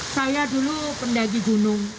saya dulu pendagi gunung